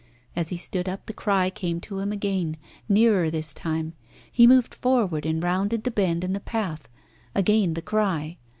As he stood up the cry came to him again, nearer this time. He moved forward and rounded the bend in the path. Again the cry.